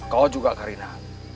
kau juga karina